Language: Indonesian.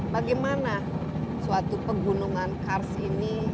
bagaimana suatu pegunungan kars ini